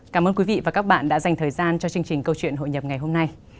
cảm ơn quý vị và các bạn đã dành thời gian cho chương trình câu chuyện hội nhập ngày hôm nay